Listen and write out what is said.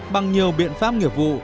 bằng nhiều biện pháp nghiệp vụ